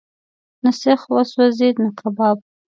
نه سیخ وسوځېد، نه کباب.